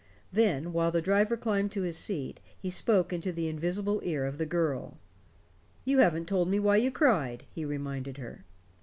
Then, while the driver climbed to his seat, he spoke into the invisible ear of the girl. "You haven't told me why you cried," he reminded her.